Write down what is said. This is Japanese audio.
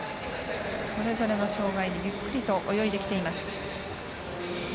それぞれの障がいでゆっくりと泳いできています。